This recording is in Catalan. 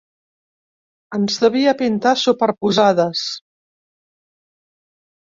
Ens devia pintar superposades.